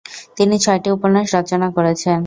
তিনি ছয়টি উপন্যাস রচনা করেছেন।